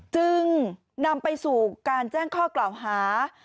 จึงนำไปสู่การแจ้งข้อกล่าวหา